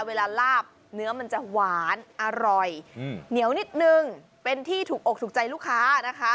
เวลาลาบเนื้อมันจะหวานอร่อยเหนียวนิดนึงเป็นที่ถูกอกถูกใจลูกค้านะคะ